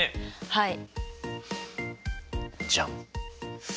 はい。